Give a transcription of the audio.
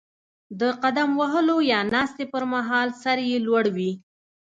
د قدم وهلو یا ناستې پر مهال سر یې لوړ وي.